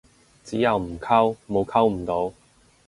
只有唔溝，冇溝唔到